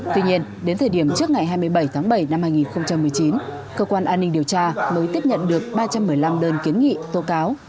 tuy nhiên đến thời điểm trước ngày hai mươi bảy tháng bảy năm hai nghìn một mươi chín cơ quan an ninh điều tra mới tiếp nhận được ba trăm một mươi năm đơn kiến nghị tố cáo